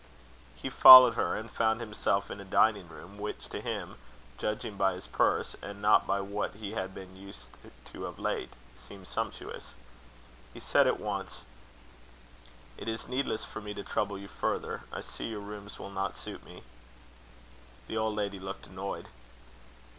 He followed her, and found himself in a dining room, which to him, judging by his purse, and not by what he had been used to of late, seemed sumptuous. He said at once: "It is needless for me to trouble you further. I see your rooms will not suit me." The old lady looked annoyed.